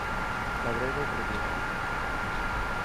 Labrego propietario.